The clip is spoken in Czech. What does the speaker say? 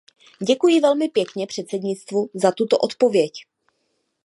Děkuji velmi pěkně předsednictvu za tuto odpověď.